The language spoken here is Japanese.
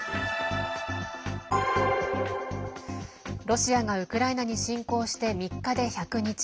ロシアがウクライナに侵攻して３日で１００日。